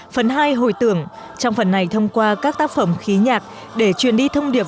phần hai hồi tưởng trong phần này thông qua các tác phẩm khí nhạc để truyền đi thông điệp